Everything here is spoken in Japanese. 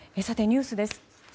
さて、ニュースです。